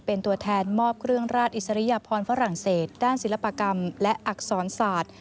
เป็นตัวแทนมอบเครื่องราชอิสริยพรฝรั่งเศสด้านศิลปกรรมและอักษรศาสตร์